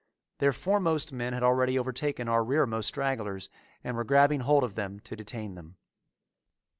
Their foremost men had already overtaken our rearmost stragglers and were grabbing hold of them to detain them.